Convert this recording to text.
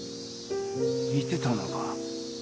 見てたのか。